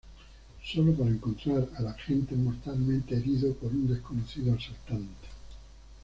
Solo para encontrar al agente mortalmente herido por un desconocido asaltante.